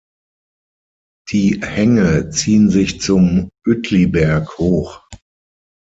Die Hänge ziehen sich zum Uetliberg hoch.